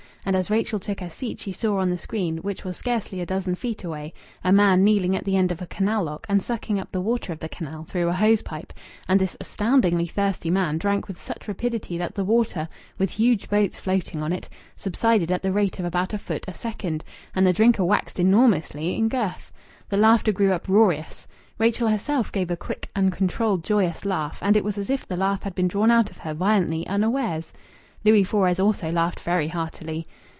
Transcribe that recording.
And as Rachel took her seat she saw on the screen which was scarcely a dozen feet away a man kneeling at the end of a canal lock, and sucking up the water of the canal through a hose pipe; and this astoundingly thirsty man drank with such rapidity that the water, with huge boats floating on it, subsided at the rate of about a foot a second, and the drinker waxed enormously in girth. The laughter grew uproarious. Rachel herself gave a quick, uncontrolled, joyous laugh, and it was as if the laugh had been drawn out of her violently unawares. Louis Fores also laughed very heartily.